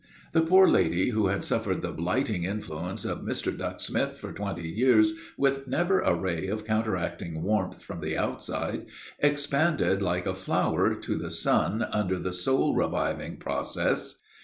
The poor lady, who had suffered the blighting influence of Mr. Ducksmith for twenty years with never a ray of counteracting warmth from the outside, expanded like a flower to the sun under the soul reviving process.